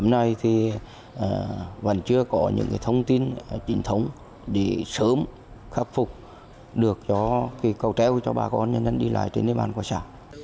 hôm nay thì vẫn chưa có những cái thông tin trình thống để sớm khắc phục được cho cái cầu tréo cho bà con nhân đi lại trên nơi bàn quà xã